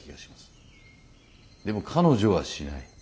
でも彼女はしない。